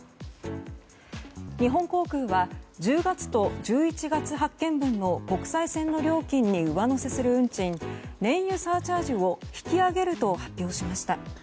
日本航空は１０月と１１月分発券分の国際線の料金に上乗せする運賃燃油サーチャージを引き上げると発表しました。